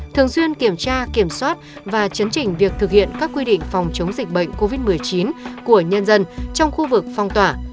thường xuyên kiểm tra kiểm soát và chấn chỉnh việc thực hiện các quy định phòng chống dịch bệnh covid một mươi chín của nhân dân trong khu vực phong tỏa